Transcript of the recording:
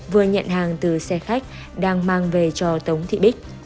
vừa nhận hàng từ xe khách đang mang về cho tống thị bích